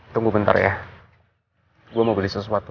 tunggu bentar ya gue mau beli sesuatu